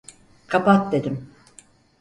Kapat dedim!